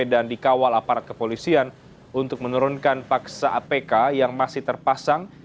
dan dikawal aparat kepolisian untuk menurunkan paksa apk yang masih terpasang